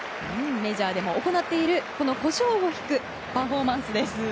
メジャーでも行っているコショウをひくパフォーマンスです。